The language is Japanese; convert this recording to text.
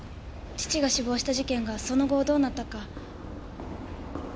父が死亡した事件がその後どうなったか。